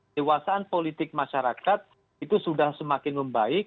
dewasaan politik masyarakat itu sudah semakin membaik